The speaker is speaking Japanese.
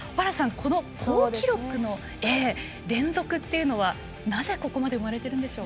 この好記録の連続っていうのはなぜここまで生まれているのでしょう。